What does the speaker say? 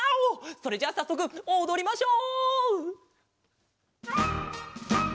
それじゃあさっそくおどりましょう！